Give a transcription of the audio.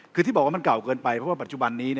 คือที่บอกว่ามันเก่าเกินไปเพราะว่าปัจจุบันนี้